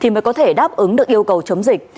mới có thể đáp ứng được yêu cầu chống dịch